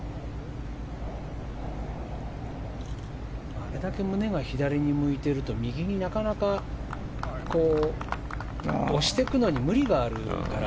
あれだけ胸が左に向いていると右に、なかなか押していくのに無理があるから。